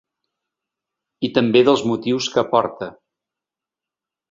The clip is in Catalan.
I també dels motius que aporta.